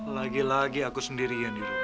lagi lagi aku sendiri